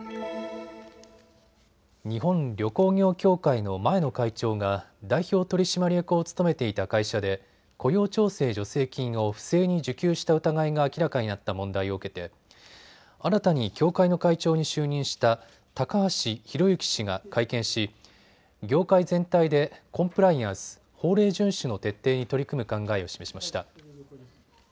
日本旅行業協会の前の会長が代表取締役を務めていた会社で雇用調整助成金を不正に受給した疑いが明らかになった問題を受けて新たに協会の会長に就任した高橋広行氏が会見し、業界全体でコンプライアンス・法令順守の徹底に取り組む考えを示しました。